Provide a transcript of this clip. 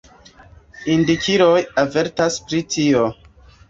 Indikiloj avertas pri tio.